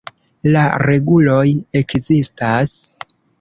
La reguloj ekzistas.